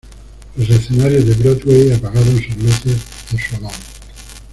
Los escenarios de Broadway apagaron sus luces en su honor.